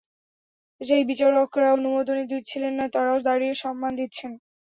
যেই বিচারকরা অনুমোদনই দিচ্ছিলেন না, তারাও দাঁড়িয়ে সম্মান দিচ্ছেন!